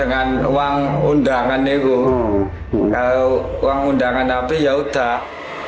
kalau uang undangan apa ya udah